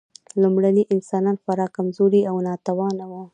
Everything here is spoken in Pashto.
لومړني انسانان خورا کمزوري او ناتوانه وو.